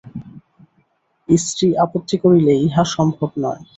স্ত্রী আপত্তি করিলে ইহা সম্ভব নয়।